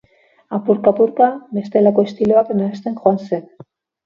Apurka-apurka, bestelako estiloak nahasten joan zen.